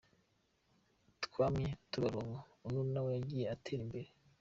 Twamye tubaronka, uno nawe yagiye atera imbere.